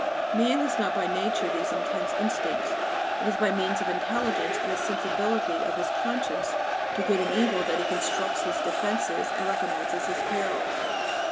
Man has not by nature these intense instincts; it is by means of intelligence and the sensibility of his conscience to good and evil that he constructs his defenses and recognizes his perils.